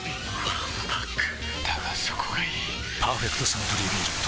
わんぱくだがそこがいい「パーフェクトサントリービール糖質ゼロ」